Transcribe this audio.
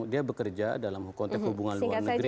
dia bekerja dalam konteks hubungan luar negeri